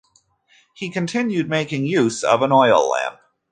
He continued, making use of an oil lamp.